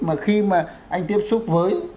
mà khi mà anh tiếp xúc với